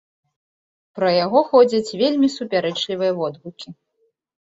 Пра яго ходзяць вельмі супярэчлівыя водгукі.